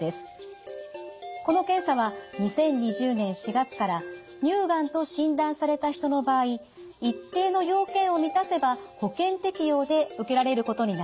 この検査は２０２０年４月から乳がんと診断された人の場合一定の要件を満たせば保険適用で受けられることになりました。